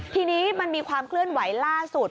ทีนี้มันมีความเคลื่อนไหวล่าสุด